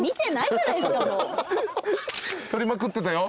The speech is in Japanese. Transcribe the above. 撮りまくってたよ。